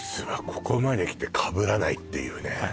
ここまできてかぶらないっていうね